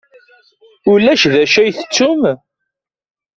Ulac d acu ay tettumt?